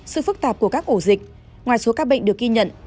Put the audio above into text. sự phức tạp của các ổ dịch ngoài số ca bệnh được ghi nhận